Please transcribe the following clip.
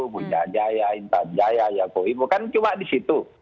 bujajaya intanjaya yaakobo bukan cuma disitu